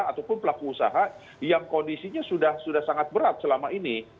ataupun pelaku usaha yang kondisinya sudah sangat berat selama ini